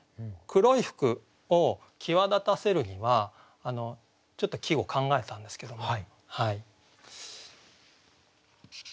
黒い服を際立たせるにはちょっと季語考えたんですけども。